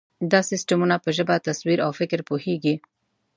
دا سیسټمونه په ژبه، تصویر، او فکر پوهېږي.